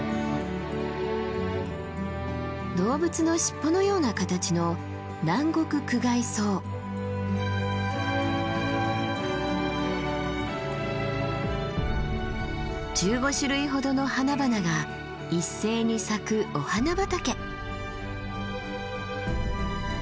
動物の尻尾のような形の１５種類ほどの花々が一斉に咲くお花畑。